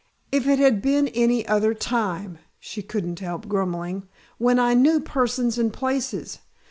"If it had been any other time," she couldn't help grumbling, "when I knew persons and places.